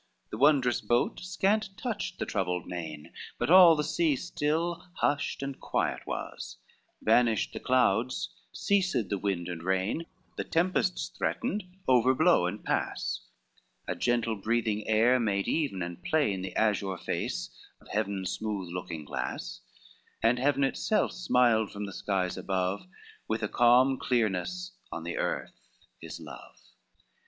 IX The wondrous boat scant touched the troubled main But all the sea still, hushed and quiet was, Vanished the clouds, ceased the wind and rain, The tempests threatened overblow and pass, A gentle breathing air made even and plain The azure face of heaven's smooth looking glass, And heaven itself smiled from the skies above With a calm clearness on the earth his love.